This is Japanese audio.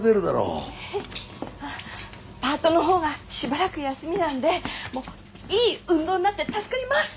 パートの方がしばらく休みなんでもういい運動になって助かります！